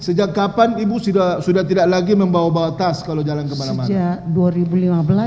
sejak kapan ibu sudah tidak lagi membawa bawa tas kalau jalan kemana mana